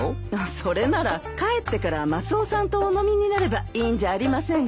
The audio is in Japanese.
それなら帰ってからマスオさんとお飲みになればいいんじゃありませんか。